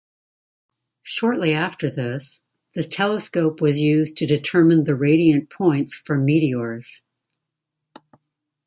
Shortly after this, the telescope was used to determine the radiant points for meteors.